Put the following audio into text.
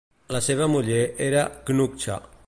La seva muller era Cnucha.